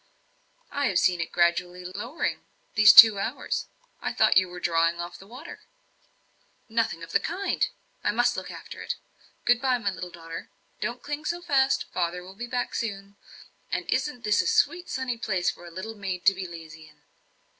"I have seen it gradually lowering these two hours. I thought you were drawing off the water." "Nothing of the kind I must look after it. Good bye, my little daughter. Don't cling so fast; father will be back soon and isn't this a sweet sunny place for a little maid to be lazy in?"